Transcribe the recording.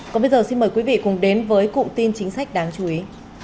còn bây giờ xin mời quý vị cùng đến với cụm tin chính sách đáng chú ý